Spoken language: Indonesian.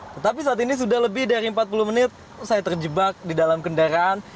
tetapi saat ini sudah lebih dari empat puluh menit saya terjebak di dalam kendaraan